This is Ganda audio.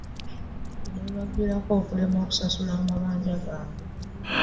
Bino bibaviirako okulemwa okusasula amabanja gaabwe